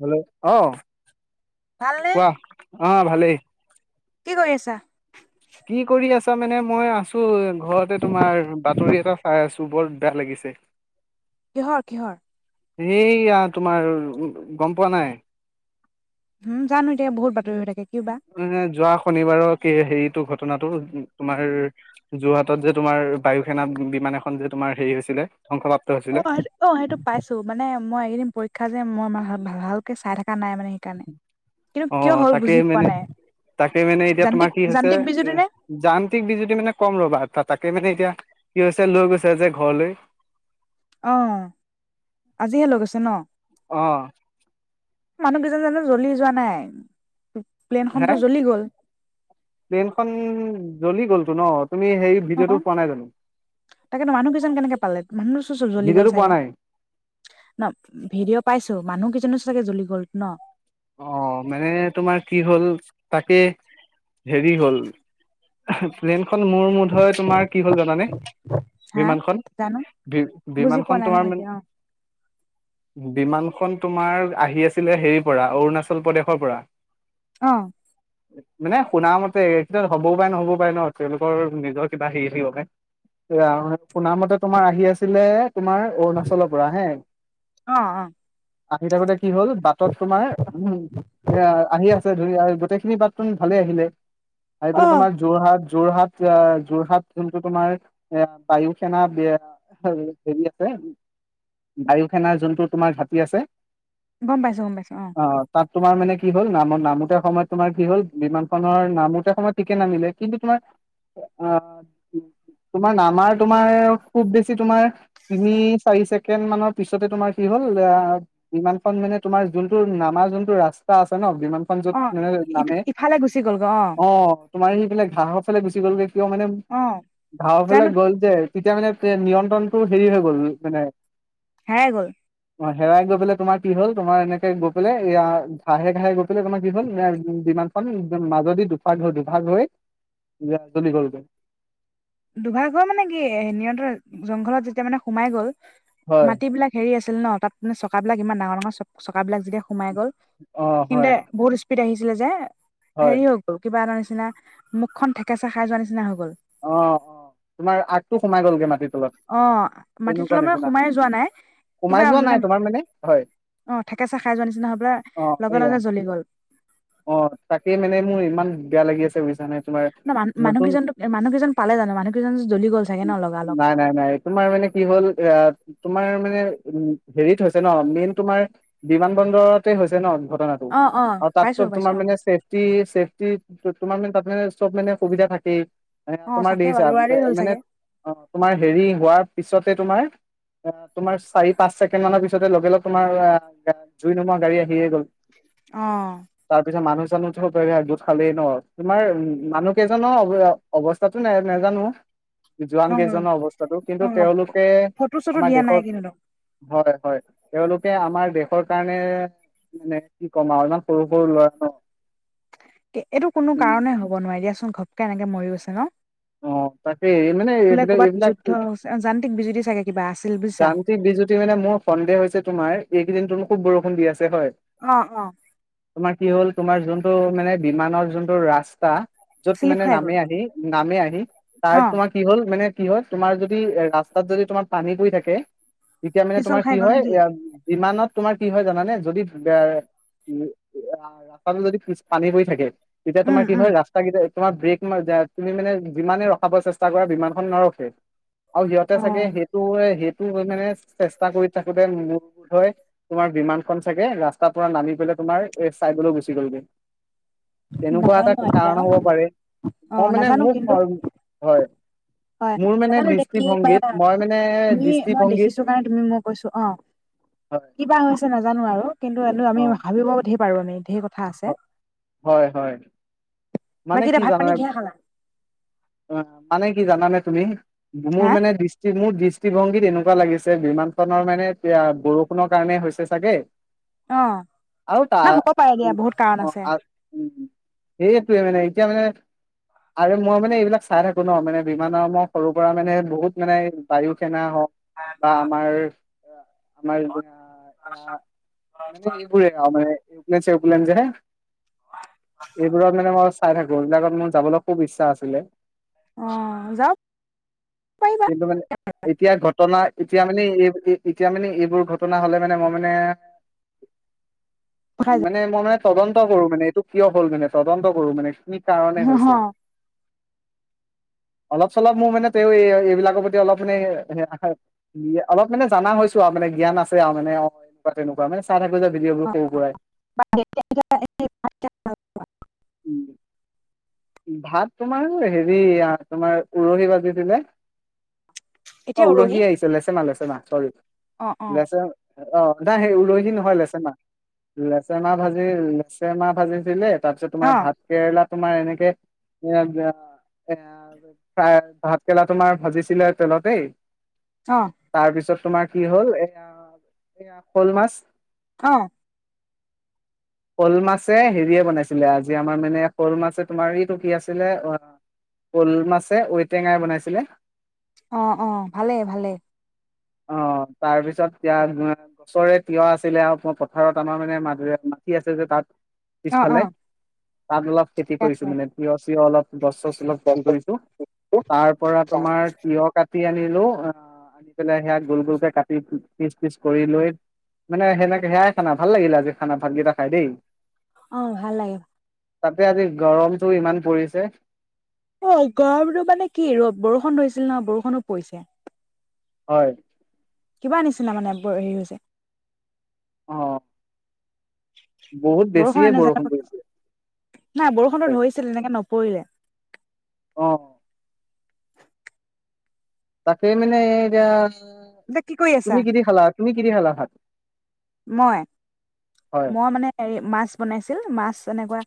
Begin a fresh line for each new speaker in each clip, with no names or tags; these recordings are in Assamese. হেল্ল, ' আহ
ভালনে?
কোৱা? অ' ভালেই।
কি কৰি আছা?
কি কৰি আছা মানে মই আছো ঘৰতে, তোমাৰ বাতৰি এটা চাই আছো, বৰ বেয়া লাগিছে।
কিহৰ-কিহৰ?
সেইয়া, তোমাৰ গম পোৱা নাই।
উম, জানো এতিয়া বহুত বাতৰি হৈ থাকে কি বা।
শনিবাৰক হেৰিটো ঘটনাটো, তোমাৰ যোৰহাটত যে তোমাৰ বায়ু সেনা বিমান এখন যে তোমাৰ হেৰি হৈছিলে। ধ্বংসপ্ৰাপ্ত হৈছিলে
অ-অ, সেইটো পাইছো। মানে, মই এইকেইদিন পৰীক্ষা যে, মই ভালকে চাই থাক
অ'
হ'ল
তাকে
বুজি পোৱা
মানে,
নাই।
তাকে মানে এতিয়া
যান্ত্ৰিক
তোমাৰ কি হৈছে,
যান্ত্ৰিক বিজুতি
এ
নে?
যান্ত্ৰিক বিজুতি মানে কম ৰবা তাকে মানে, এতিয়া কি হৈছে, লৈ গৈছে যে ঘৰলৈ
আহ, আজিহে লৈ গৈছে ন।
অ
মানুহ কেইজন জানো জ্বলি যোৱা নাই।
হে
প্লেনখনতো জ্বলি গ'ল।
প্লেনখন জ্বলি গ'লতো ন তুমি সেই
অ
ভিডিঅ'টো পোৱা নাই জানো
তাকেতো মানুহ কেইজন কেনেকে পালে মানুহ চো চব জ্বলি গ'ল
ভিডিঅ'টো পোৱা
চাগে।
নাই
ন? ভিডিঅ' পাইছো। মানুহ কেইজনো চাগে জ্বলি গল ন?
অ মানে তোমাৰ কি হ'ল, তাকে হেৰি হ'ল পেল্নখন মোৰ মতে হয় তোমাৰ কি হল জানানে?
হা
বিমানখন?
জানো
বি
বুজি
বিমানখন
পোৱা নাই
তোমাৰ
নহয়
মানে
এতিয়া অ।
বিমান বিমান খন তোমাৰ আহি আছিলে হেৰি পৰা অৰুণাচল প্ৰদেশৰ পৰা।
আহ
মানে শুনা মতে একচুৱেল হবও পাৰে নহ'বও পাৰে, ন তেওঁলোকৰ নিজৰ কিবা হেৰি থাকিব পাৰে, শুনা মতে তোমাৰ আহি আছিলে তোমাৰ অৰুণাচলৰ পৰা হে
অ
আহি থাকোতে কি হল বাটত তোমাৰ এ আহি আছে, ধৰি আৰু গোটেইখিনি বাট চোন ভালে আহিলে। আহি
অ
পেলাই
অ
তোমাৰ যোৰহাট যোৰহাট, যোৰহাট যোনটো তোমাৰ এ বায়ু সেনা হেৰি আছে বায়ু সেনাৰ যোনটো তোমাৰ ঘাটি আছে।
গম পাইছো গম পাইছো অ
তোমাৰ মানে কি হ'ল নামত নামোতে সময়ত তোমাৰ কি হল বিমানখনৰ নামোতে সময়ত ঠিকে নামিলে কিন্তু তোমাৰ আহ তোমাৰ নামাৰ তোমাৰ খুব বেছি তোমাৰ তিনি চাৰি ছেকেণ্ড মানৰ পিছতে তোমাৰ কি হল বিমানখন মানে তোমাৰ যোনটো নামা যোনটো ৰাস্তা আছে ন বিমানখন যত
অ
মানে
ইটো
নামে
ইফালে গুচি গ'ল গ
অ তোমাৰ সেইফালে ঘাঁহৰ ফালে গুছি গলগৈ [unintelligible] কি হ'ল মানে
অ
ঘাঁহৰ ফালে
জানো
গ'ল যে তেতিয়া মানে নিয়ন্ত্ৰণটো হেৰি হৈ গ'ল মানে
হেৰাই গ'ল
অ হেৰাই গৈ পেলাই, তোমাৰ কি হ'ল? তোমাৰ এনেকে গৈ পেলাই, এয়া ঘাহে, ঘাহে গৈ পেলাই, তোমাৰ কি হ'ল বিমানখন মাজদি দুভাগ হৈ দুভাগ হৈ জ্বলি গলগৈ।
দুভাগ হৈ মানে কি এ নিয়ন্ত্ৰণ জংঘলত যেতিয়া মানে সোমাই গ'ল,
হয়
মাটি বিলাক হেৰি আছি ছিল ন তাত মানে চকাাবিলাক ইমান ডাঙৰ ডাঙৰ চক চকাবিলাক যেতিয়া সোমাই গ'ল
অ' হয়
সেইখিনিতে বহুত স্পিট পিত আহিছিলে যে -
হয়
হেৰি হৈ গল কিবা এটা হৈছ নিচিনা মুখখন ঠেকেচা খাই যোৱাৰ নিচিনা হৈ গ'ল।
অ অ তোমাৰ আগটো সোমাই গ'লগে মাট
অ মাটিৰ তলত মানে সোমাই যোৱা নাই
সোমাই
কিবা
যোৱা নাই
মানে
তোমাৰ হয়
অ ঠেকেচা খাই যোৱা নিচিনা হৈ
অ
পেলাই লগে
এইয়া
লগে জ্বলি গল।
অ তাকেই মানে মোৰ ইমান বেয়া লাগি আছে বুইছ
ন মানু মানুহ কেইজনটো এম মানুহ কেইজন পালে জানো মানুহ কেইজন জ্বলি গ'ল চাগে ন লগা লগ।
নাই নাই নাই তোমাৰ মানে কি হ'ল এ তোমাৰ মানে উ হেৰিত হৈছে ন মেইন তোমাৰ বিমান বন্দৰতে হৈছে ন ঘটনাটো
অ অ
আৰু তাত
পাইছো
চ
পাইছো
তোমাৰ
অ
মানে চেফটি চেফটি তোমাৰ মানে তাত মানে চব মানে সুবিধা থাকেই। মানে
অ
তোমাৰ
চাগে
দেখিছা
বাৰু ল'ৰালৰি হ'ল
মানে
চাগে
অ তোমাৰ হেৰি হোৱাৰ পিছতে তোমাৰ অ তোমাৰ চাৰি পাঁচ ছেকেণ্ড মানৰ পিছতে লগে লগ তোমাৰ জুই নোমূৱাগাড়ী আহিয়ে গ'ল।
অহ।
জানো স গোট খালেই ন তোমাৰ উম মানুহ কেইজনৰ অৱস্থাতো নাই নাজানো। যোৱান
অ
কেইজনৰ অৱস্থাতটো কিন্তু
অ
তেওঁলোকে
ফটো চটো
আমাৰ
দিয়া নাই
দেশৰ
কিন্তু
হয় হয় তেওঁলোকে আমাৰ দেশৰ কাৰণে মানে কি কম আৰু অলমান সৰু সৰু লৰা ন
এইটো কোনো
উম,
কাৰনেই হ'ব নোৱাৰি দিয়াচোন ঘ কেনেকে মৰি গৈছে ন!
অ তাকে মানে
বোলে
এইবিলাক
ক'ৰবাত
এইবিলাক
যুদ্ধ যান্ত্ৰিক বিজুতি চাগে কিবা আছে
যান্তিক বিজুতি মানে মোৰ সন্দেহ হৈছে তোমাৰ এইকেইদিন তুমি খুব বৰষুণ দি আছে হয়
অ অ।
তোমাৰ কি হ'ল তোমাৰ যোনটো মানে বিমানৰ যোনটো ৰাস্তা যত
শ্লিপ
মানে
খাই গ'ল
নামেই আহি নামেই আহি তাৰ
অ
তোমাৰ কি হ'ল মানে কি হয় তোমাৰ যদি এ ৰাস্তাত যদি তোমাৰ পানী পৰি থাকে এতিয়া মানে
পিছল
তোমাৰ
খাই
কি
গ'ল
হয়,
নেকি
এ ইমানত তোমাৰ কি হয় জানানে যদি আ ৰাস্তাটো যদি পি পানী পৰি থাকে তেতিয়া
উম
তোমাৰ কি
উম
হয় ৰাস্তা কেই তোমাৰ ব্ৰেক তুমি মানে যিমানে ৰখাব চেষ্টা কৰা বিমানখন নৰখে আৰু সিহঁতে
অ
চাগে সেইটোৱে সেইটো মানে চেষ্টা কৰি থাকোতে মোৰ হয় তোমাৰ বিমানখন চাগে ৰাস্তাৰ পৰা নামি পেলায় তোমাৰ এ চাইদলৈ গুচি গ'লগে তেনেকুৱা এটা
নাজানো এতিয়া
কাৰণ হ'ব পাৰে
অ
মই মানে
নাজানো কিন্তু
মোৰ হয়
হয়
মোৰ মানে
নাজানো এতিয়া কি বা
দৃষ্টিভংগীত মই মানে
তুমি মই
দৃষ্টিভংগীত
দেখিছো কাৰণে তুমি মই কৈছোঁ অ
হয়
কিবা হৈছে নেজানো আৰু কিন্তু আমি
অ
ভাবিব পাৰোঁ আমি ধেই কথা আছে
হয় হয় মানে
বাকী
কি
এতিয়া ভাত পানী
জানানে
কিহে খালা
অ মানে কি জানানে তুমি মোৰ
হা
মানে দৃষ্টি মোৰ দৃষ্টিভংগীত এনেকুৱা লাগিছে, বিমানখনৰ মানে বৰষুণৰ কাৰণে হৈছে চাগে।
অ
আৰু
না
তাৰ
হ'ব পাৰে দিয়া বহুত কাৰণ আছে।
হেত সেইটোয়ে মানে এতিয়া মানে আৰু মই মানে এইবিলাক চাই থাকো ন মানে বিমানৰ মই সৰুৰ পৰা মানে বহুত মানে বায়ু সেনা। ক বা আমাৰ। আমাৰ মানে এইবোৰেই আৱ মানে এৰোপ্লেন চেৰোপ্লেন যে এইবোৰক মানে মই চাই থাকো এইবিলাকত যাবলৈ খুব ইচ্ছা আছিলে।
অহ যাব পাৰিবা
কিন্তু মানে এতিয়া ঘটনা এতিয়া মানে এই এতিয়া মানে এইবোৰ ঘটনা হ'লে মানে মই মানে।
পঠাই
মানে মনত। তদন্ত কৰো মানে এইটো কিয় হ'ল মানে। তদন্ত কৰো মানে। কি কাৰণে
যাম
হৈছে।
অ
অলপ চলপ মোৰ মানে তেওঁ এই এইবিলাকৰ প্ৰতি অলপ মানে অলপ মানে জানা হৈছোঁ আও মানে জ্ঞান আছে আও মানে অ এনেকুৱা তেনেকুৱা মানে চাই থাক। থাকো যে ভিডিঅ'বোৰ
অ
সৰু পৰাই
[unintelligible]
ভাত তোমাৰ হেৰি তোমাৰ উৰহি ভাজি দিলে। অ উৰহি আহিছিলে লেচেমা লেচেমা চৰি
অ অ
লেচেম অ নাই সেই উৰহি নহয় লেচে মাহ লেচে মাহ ভাজি লেচে মাহ ভাজিছিলে তাৰপিছত
অ
তোমাৰ ভাত কেৰেলাত তোমাৰ এনেকে এয়া এ এ ভাত কেৰেলা তোমাৰ ভাজিছিলে তেলতেই
অ
তাৰপিছত তোমাৰ কি হ'ল এয়া-এয়া শ'ল মাছ
অহ?
শ'ল মাছে হেৰিয়ে বনাইছিলে আজি আমাৰ মানে শ'ল মাছে তোমাৰ ই টো কি আছিলে শ'ল মাছে ঔটেঙাই বনাইছিলে।
অহ-অহ, ভালে-ভালে।
অ তাৰপিছত এতিয়া গছৰে তিয়হ আছিলে আও পথাৰত আমাৰ মানে মদৰি মাটি আছিল যে তাত
অ
পিছফালে
অ
তাত অলপ খেতি
ঠিকে
কৰিছো
আছে
মানে তিয় চি অলপ গছৰ চলত উকৰিছো, তাৰ পৰা তোমাৰ তিয়ঁহ কাট কুটি আনিলো, আহ আনি পেলাই সেয়া গোল গোলকে কাটি পিচ-পিচ কৰি লৈ মানে সেনেকে সেয়াই খানা ভাল লাগিলে আজি খানা ভাতকেইটা খাই দেই।
অ ভাল লাগে।
তাতেই আজি গৰম। জুই ইমান পৰিছে।
সেই গৰমতো মানে কি ৰ বৰষুণ ধৰিছিল নহ বৰষুণো পৰিছে।
হয়
কিবা আনিছিনা মানে ব হেৰি হৈছে।
অ বহুত বেছিয়ে
বৰষুণনে যেনে
বৰষুণ পৰিছে
নাই বৰষুণটো ধৰিছিল এনেকে ন পৰিলে
অহ তাকেই মানে এতিয়া
এতিয়া কি কৰি
তুমি
আছা?
কি দি খালা তুমি কি দি খালা ভাত?
মই?
হয়
মই মানে হেৰী মাছ বনাইছিল, মাছ এনেকুৱা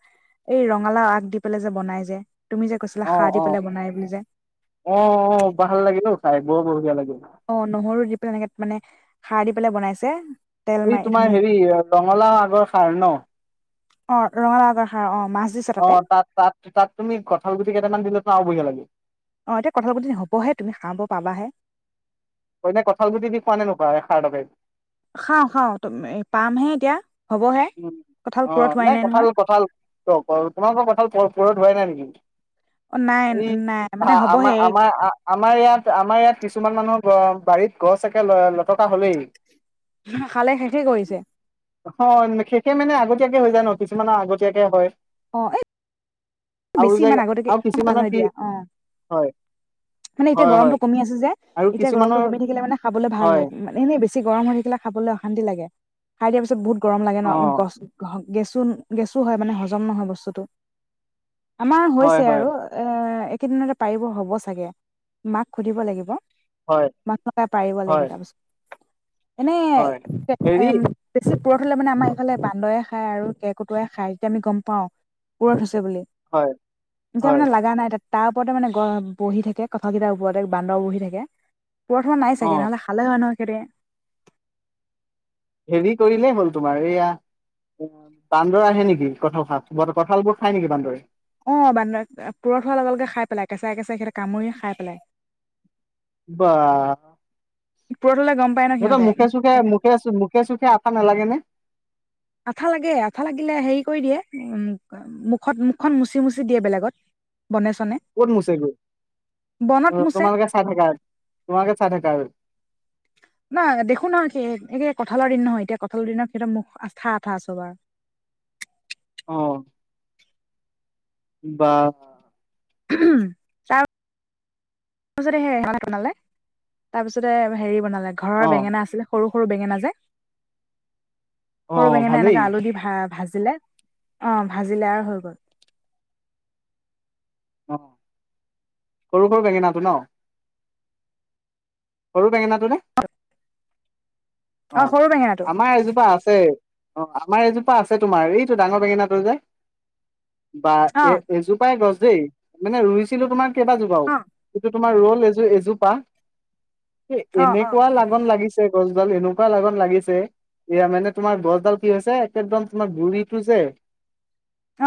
এই ৰঙালাও আগ দি পেলাই যে বনাই যে? তুমি যে কৈছিলা খাৰ দি
অ-অ,
পেলাই বনাই বুলি যে
অ-অ ভাল লাগিলো তাই ব বঢ়িয়া লাগিল।
অ নহৰু দি এনেকে মানে ষাৰ দি পেলাই বনাইছে। তেল
এই
মাৰি
তোমাৰ
ধুনীয়াক
হেৰি ৰঙালাও আগৰ সাৰ ন?
অ ৰঙালা আজৰ সাৰ অ। মাছ দিছে
অ
তাতে
তাত-তাত-তাত তুমি কঁঠাল গুটি কেইটামান দিলো ন বঢ়ীয়া লাগে।
অঁ এতিয়া কথাল গুটি হ'বহে তুমি খাব পাবাহে।
হয়নে কঁঠাল গুটি দি খুৱা নে নোখোৱা এ ষাৰ তৰকাৰী?
খাওঁ-খাওঁ পামহে এতিয়া। হ'বহে
উ
কঁঠাল
অ
পুৰত হোৱাই
নাই
নহয়
কঁঠাল-কঁঠাল ত তোমালোকৰ কঁঠাল পুৰঠ পুৰঠ হোৱাই নাই নেকি?
অ নাই
এই
নাই মানে হ'বহে
আমাৰ-আমাৰ-আমাৰ ইয়াত আমাৰ ইয়াত কিছুমান মানুহৰ বাৰীত গছ একে লটকা হলেই
খালে শেষে কৰিছে।
শেষে মানে আগতীয়াকে হৈ যায় ন কিছুমানৰ আগতীয়াকে হয়।
অ এ
আৰু
বেছি
যে
ইমান আগতেকে
আৰু
ভাল
কিছুমানৰ
হয়
কি
দিয়া অ
হয়
মানে এতিয়া
হয়
গৰমটো
হয়
কমি আছে যে
আৰু
এতিয়া গৰমটো
কিছুমানৰ
কমি থাকিলে মানে খাবলৈ ভাল হয় মানে এনেই বেছি গৰম হৈ থাকিলে খাবলৈ অশান্তি লাগে খাই দিয়াৰ পিছ বহুত গৰম লাগে ন
অ
গছ গেছো গেছো হয় মানে হজম নহয় বস্তুটো আমাৰ
হয়
হৈছে
হয়
আৰু এ একেইদিনতে পাৰিব হ'ব চাগে মাক সুধিব লাগিব
হয়
মাক পাৰিব লাগিব
হয়
তাৰপিছত এনে
হয় হেৰি
পূুৰঠ হ'লে মানে আমাৰ এইফালে বান্দৰে খায়, আৰু কেৰ্কেটুৱাই খাই যেতিয়া আমি গম পাওঁ পুৰঠ বুলি
হয়
এতিয়া
হয়
মানে লাগা নাই তাত তাৰ ওপৰতে মানে গৈ বহি থাকে কঁঠাল কেইটাৰ ওপৰতে বান্দৰ বহি থাকে। পূৰঠ হোৱা নাই
অ
চাগে, নহলে খালে হয় নহয় পৰে [unintelligible]
হেৰি কৰিলেই হ'ল তোমাৰ এইয়া বান্দৰ আহে নেকি কঠাল কঁঠাল বোৰ খাই নেকি বান্দৰে
অ বান্দৰে পূৰঠ হোৱাৰ লগে, লগে খাই পেলাই কেঁচাই, কেঁচাই সিহঁতে কামুৰি খাই পেলাই।
বাঁ
পুৰঠ হ'লে গম পায় ন
সিহঁতৰ
সিহঁতে
মুখে চুখে মুখে চুখে আঠা নালাগে নে?
আঠা লাগে, আঠা লাগিলে হেৰি কৰি দিয়ে মুখত মুখখন মুচি, মুচি দিয়ে বেলেগত বনে চনে
কত মুছেনো
বনত মোচে
তোমালোকে চাই থাকা তোমালোকে ছাই থাকা আৰু
নাই দেখো নহয় সেই একে কঁঠালৰ দিন নহয় এতিয়া কঁঠালৰ দিনৰ সিহঁতৰ মুখ আঠা আঠা সবৰ
অ বাহ
[unintelligible] ঘৰৰ
অ
বেঙেনা আছিলে। সৰু সৰু বেঙেনা যে
অ
সৰু বেঙেনা
ভালেই
এনেকা আলু দি ভা ভাজি ভাজিলে অ ভাজিলে আৰু হৈ গল।
অ সৰু, সৰু বেঙেনাটো ন সৰু বেঙেনাটো নে অ
সৰু বেঙেনাটো
আমাৰ এজোপা আছে। অ আমাৰ এজোপা আছে তোমাৰ এইটো ডাঙৰ বেঙেনাটোৰ যে। বা
অ
এ এজোপাই গছ। যেই মানে ৰুইছিলো তোমাৰ? কেইবা জোপাও।
অ
তোমাৰ ৰল এযো এযো এজোপা। এ
অ অ
এনেকুৱা লাগন লাগিছে? গছ দাল হেনো। লগন লাগিছে এয়া মানে তোমাৰ গছডাল কি হৈছে একেদম তোমাৰ গুৰিটো যে।
হ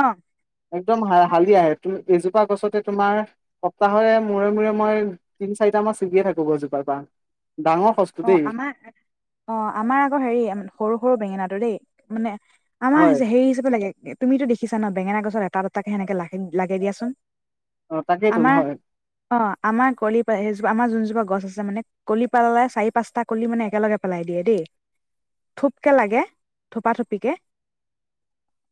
একদম হালি আহে এজোপা গছতে তোমাৰ সপ্তাহৰে মূৰে মূৰে মই তিন চাৰিটা মান ছিগিয়ে থাকো গছজোপাৰ পৰা। ডাঙৰ
অ
সস্তু দেই।
আমাৰ অ আমাৰ আকৌ হেৰি সৰু সৰু বেঙেনাটো দেই মানে? আমাৰ
হয়
হৈছে হেৰি জোপা লাগে তুমিতো দেখিছা? আ ন বেঙেনা গছৰ এটা দুটাকে সেনেকে ল লাগে দিয়াচোন।
অ তাকেইতো
আমাৰ
হয়
অ আমাৰ কলি পা আমাৰ যোনজোপা। গছ আছে মানে কলি পালালে চাই। পাছ্টা কলি মানে একেলগে পেলাই দিয়ে দেই, থোক কে লাগে থোপা থুপি কে।